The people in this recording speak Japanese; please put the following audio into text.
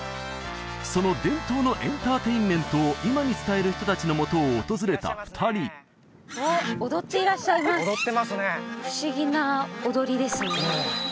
その伝統のエンターテインメントを今に伝える人達のもとを訪れた二人おっ踊っていらっしゃいます踊ってますね不思議な踊りですね